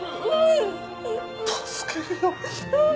助けるよ。